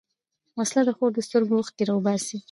وسله د خور د سترګو اوښکې راوباسي